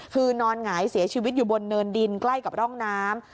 คือนอนหงายเสียชีวิตอยู่บนเนินดินใกล้กับร่องน้ำ